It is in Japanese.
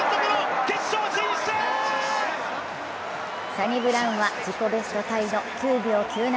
サニブラウンは自己ベストタイの９秒９７。